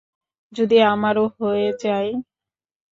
যদি আমারও হয়ে যাই?